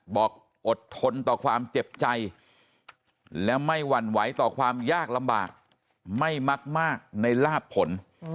บอกอดทนต่อความเจ็บใจและไม่หวั่นไหวต่อความยากลำบากไม่มักมากในลาบผล